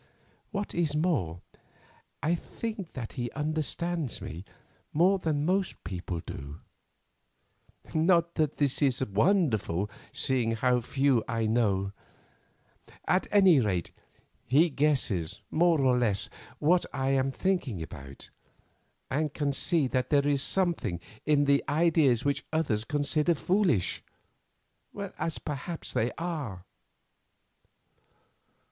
What is more, I think that he understands me more than most people do; not that this is wonderful, seeing how few I know. At any rate, he guesses more or less what I am thinking about, and can see that there is something in the ideas which others consider foolish, as perhaps they are.